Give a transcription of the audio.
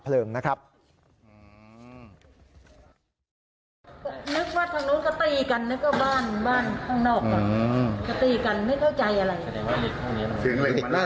และหลังจากเสียงดั่งนั่นแล้วสิยังไง